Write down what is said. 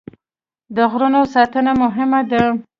د غرونو ساتنه مهمه ده.